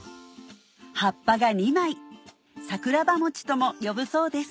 葉っぱが２枚とも呼ぶそうです